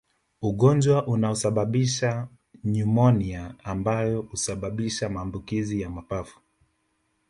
Ugonjwa unaosababisha nyumonia ambao usababisha maambukizi ya mapafu